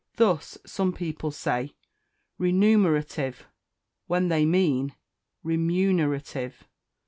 Thus, some people say "renumerative," when they mean "remunerative."